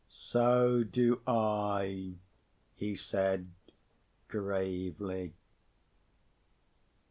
"So do I," he said, gravely.